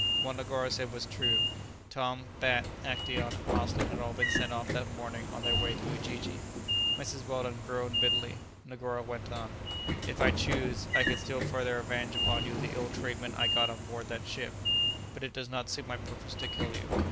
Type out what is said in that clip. What Negoro said was true; Tom, Bat, Actæon, and Austin had all been sent off that morning on their way to Ujiji. Mrs. Weldon groaned bitterly. Negoro went on. "If I chose, I could still further avenge upon you the ill treatment I got on board that ship; but it does not suit my purpose to kill you.